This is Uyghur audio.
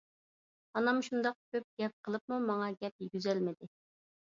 ئانام شۇنداق كۆپ گەپ قىلىپمۇ ماڭا گەپ يېگۈزەلمىدى.